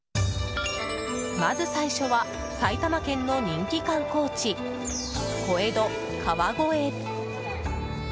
まず最初は、埼玉県の人気観光地小江戸・川越。